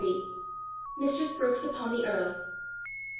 MISTRESS BROOKES UPON THE EARL.